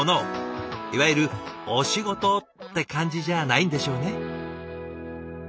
いわゆるお仕事って感じじゃないんでしょうね。